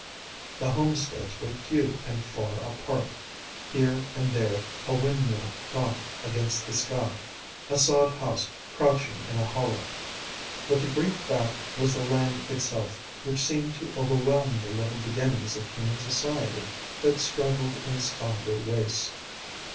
The homesteads were few and far apart; here and there a windmill gaunt against the sky, a sod house crouching in a hollow. But the great fact was the land itself, which seemed to overwhelm the little beginnings of human society that struggled in its sombre wastes.